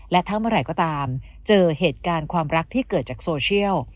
และถ้าเมื่อไหร่ก็ตามเจอเหตุการณ์ความรักที่เกิดจากโซเชียล